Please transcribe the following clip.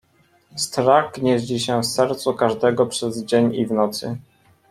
"Strach gnieździ się w sercu każdego przez dzień i w nocy."